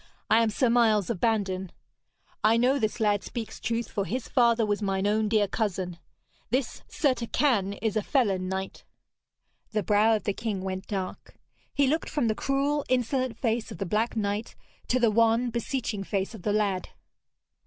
'I am Sir Miles of Bandon. I know this lad speaks truth, for his father was mine own dear cousin. This Sir Turquine is a felon knight.' The brow of the king went dark. He looked from the cruel insolent face of the black knight to the wan beseeching face of the lad.